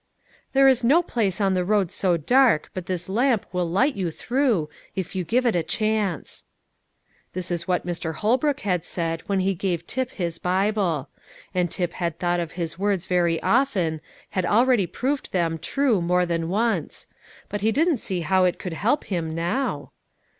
"There is no place on the road so dark but this lamp will light you through, if you give it a chance." This is what Mr. Holbrook had said when he gave Tip his Bible. And Tip had thought of his words very often, had already proved them true more than once; but he didn't see how it could help him now.